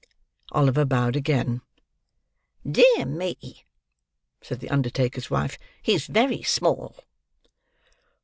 Oliver bowed again. "Dear me!" said the undertaker's wife, "he's very small."